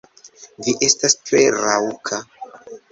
Vi estas tre raŭka.